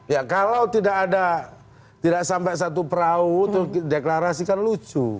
ya kalau tidak ada tidak sampai satu perahu deklarasi kan lucu